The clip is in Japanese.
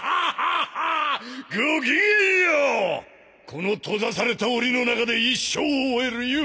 この閉ざされたおりの中で一生を終える夢